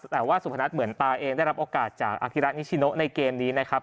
แต่ว่าสุพนัทเหมือนตาเองได้รับโอกาสจากอากิระนิชิโนในเกมนี้นะครับ